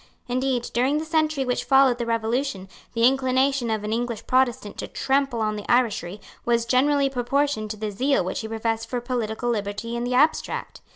Indeed, during the century which followed the Revolution, the inclination of an English Protestant to trample on the Irishry was generally proportioned to the zeal which he professed for political liberty in the abstract.